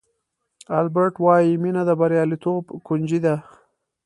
البرټ وایي مینه د بریالیتوب کونجي ده.